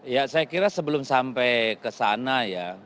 ya saya kira sebelum sampai ke sana ya